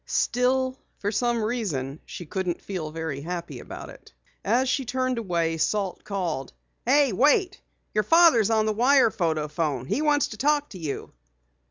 Still, for some reason she couldn't feel very happy about it. As she turned away, Salt called: "Hey, wait! Your father's on the wire photo phone. He wants to talk to you."